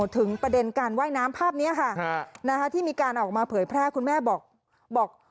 ถึงประเด็นการว่ายน้ำภาพนี้ค่ะที่มีการออกมาเผยแพร่คุณแม่บอก